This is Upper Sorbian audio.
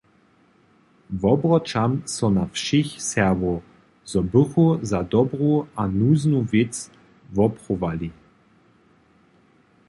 Wobroćam so na wšěch Serbow, zo bychu za dobru a nuznu wěc woprowali.